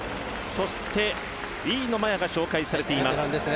そして飯野摩耶が紹介されています。